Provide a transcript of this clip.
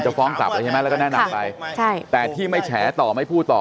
จะฟ้องกลับอะไรใช่ไหมแล้วก็แน่หนักไปใช่แต่ที่ไม่แชร์ต่อไม่พูดต่อ